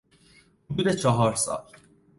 حدود چهار سال